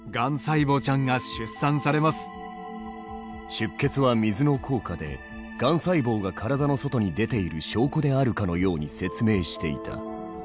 出血は水の効果でがん細胞が体の外に出ている証拠であるかのように説明していた。